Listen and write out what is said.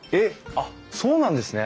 あっそうなんですね！